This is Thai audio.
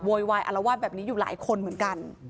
วายอารวาสแบบนี้อยู่หลายคนเหมือนกัน